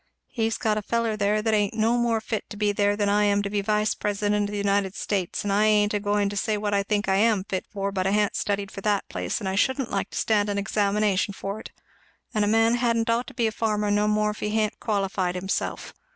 He's got a feller there that ain't no more fit to be there than I am to be Vice President of the United States; and I ain't a going to say what I think I am fit for, but I ha'n't studied for that place and I shouldn't like to stand an examination for't; and a man hadn't ought to be a farmer no more if he ha'n't qualified himself.